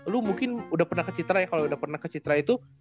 lu mungkin udah pernah ke citra ya kalau udah pernah ke citra itu